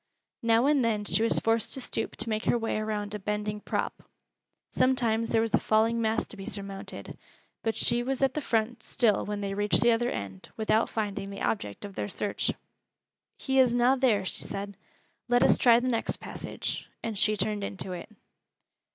Now and then she was forced to stoop to make her way around a bending prop; sometimes there was a falling mass to be surmounted: but she was at the front still when they reached the other end, without finding the object of their search. "It he is na there," she said. "Let us try th' next passage," and she turned into it.